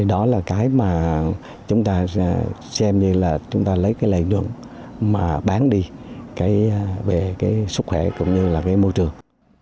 đó là cái mà chúng ta xem như là chúng ta lấy cái lợi nhuận mà bán đi về cái sức khỏe cũng như là về môi trường